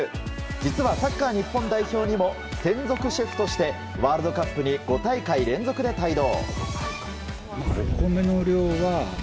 実はサッカー日本代表にも専属シェフとしてワールドカップに５大会連続で帯同。